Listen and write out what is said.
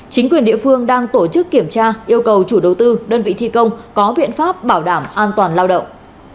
chính quyền địa phương đang tổ chức kiểm tra yêu cầu chủ đầu tư đơn vị thi công có biện pháp bảo đảm an toàn lao động